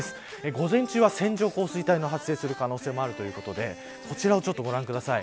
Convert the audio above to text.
午前中は線状降水帯が発生する可能性もあるということでこちらをご覧ください。